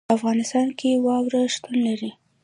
په افغانستان کې واوره شتون لري.